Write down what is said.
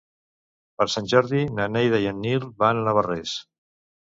Per Sant Jordi na Neida i en Nil van a Navarrés.